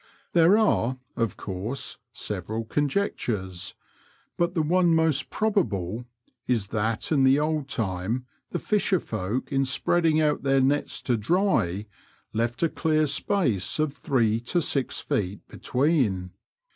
There are, of course, several conjectures, but the one most probable is that in the old time the fisher folk, in spreading out their nets to dry, left a clear space of three to six feet between.